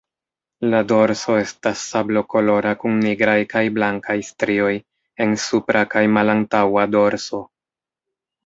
La dorso estas sablokolora kun nigraj kaj blankaj strioj en supra kaj malantaŭa dorso.